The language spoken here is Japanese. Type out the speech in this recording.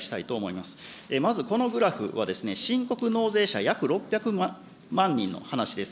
まずこのグラフは、申告納税者約６００万人の話です。